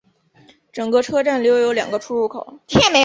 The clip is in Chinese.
整个车站留有两个出入口。